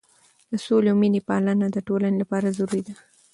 د سولې او مینې پالنه د ټولنې لپاره ضروري ده.